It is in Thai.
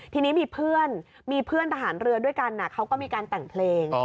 ทีนี้มีเพื่อนมีเพื่อนทหารเรือด้วยกันเขาก็มีการแต่งเพลง